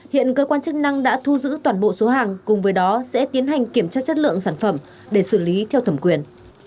hiện cơ quan chức năng đã thu giữ toàn bộ số hàng cùng với đó sẽ tiến hành kiểm tra chất lượng sản phẩm để xử lý theo thẩm quyền